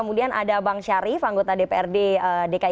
kemudian ada bang syarif anggota dprd dki jakarta dua ribu dua puluh